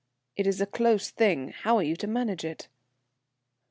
"It is a close thing. How are you to manage it?"